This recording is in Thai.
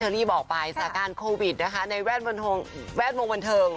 รีบบอกไปสถานการณ์โควิดนะคะในแวดวงบันเทิง